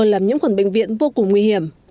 làm những khuẩn bệnh viện vô cùng nguy hiểm